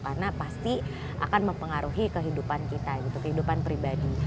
karena pasti akan mempengaruhi kehidupan kita gitu kehidupan pribadi